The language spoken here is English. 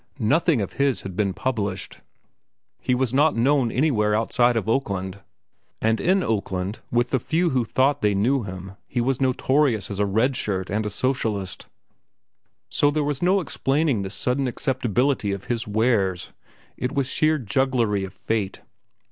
Nothing of his had been published. He was not known anywhere outside of Oakland, and in Oakland, with the few who thought they knew him, he was notorious as a red shirt and a socialist. So there was no explaining this sudden acceptability of his wares. It was sheer jugglery of fate.